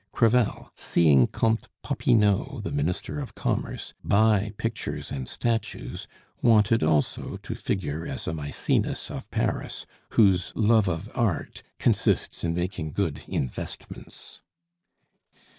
Crevel, seeing Comte Popinot, the Minister of Commerce, buy pictures and statues, wanted also to figure as a Maecenas of Paris, whose love of Art consists in making good investments.